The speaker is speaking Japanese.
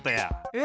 え！